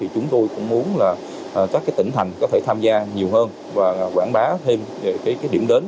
chúng tôi cũng muốn các tỉnh thành có thể tham gia nhiều hơn và quảng bá thêm điểm đến du lịch